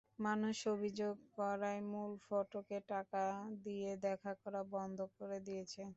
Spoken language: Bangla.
মানুষ অভিযোগ করায় মূল ফটকে টাকা দিয়ে দেখা করা বন্ধ করে দিয়েছে।